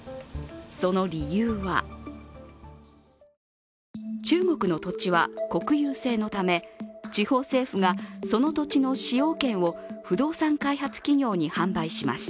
その理由は中国の土地は国有制のため地方政府がその土地の使用権を不動産開発企業に販売します。